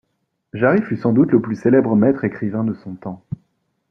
Jarry fut sans doute le plus célèbre maître écrivain de son temps.